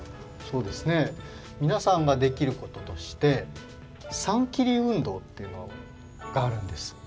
そうですねみなさんができることとして３キリ運動っていうのがあるんです。